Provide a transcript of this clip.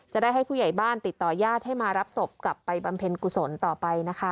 จะได้ให้ผู้ใหญ่บ้านติดต่อญาติให้มารับศพกลับไปบำเพ็ญกุศลต่อไปนะคะ